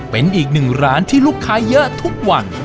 เป็นอีกหนึ่งร้านที่ลูกค้าเยอะทุกวัน